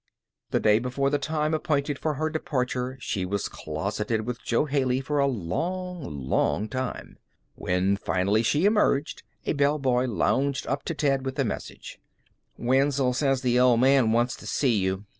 The day before the time appointed for her departure she was closeted with Jo Haley for a long, long time. When finally she emerged a bellboy lounged up to Ted with a message. "Wenzel says th' Old Man wants t' see you.